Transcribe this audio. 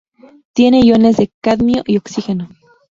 Tiene iones de cadmio y oxígeno.